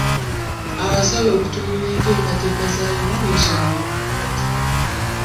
Abasabye okutunuulira enteekateeka z'alina beesonyiwe emyaka gye.